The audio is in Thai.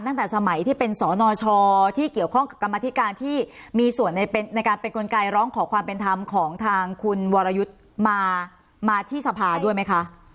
ตั้งแต่สมัยที่เป็นสนชที่เกี่ยวข้องกับกรรมธิการที่มีส่วนในการเป็นกลไกร้องขอความเป็นธรรมของทางคุณวรยุทธ์มาที่สภาด้วยไหมคะ